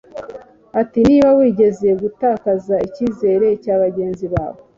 Ati Niba wigeze gutakaza icyizere cya bagenzi bawe